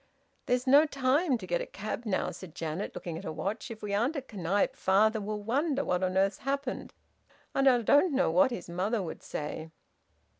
"There's no time to get a cab, now," said Janet, looking at her watch. "If we aren't at Knype, father will wonder what on earth's happened, and I don't know what his mother would say!"